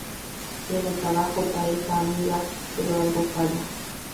Tiene trabajo, pareja, amigas… pero algo falla.